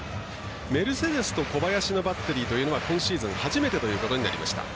メルセデスと小林のバッテリーは今シーズン初めてということになりました。